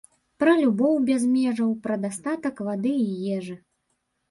Пра любоў без межаў, пра дастатак вады і ежы.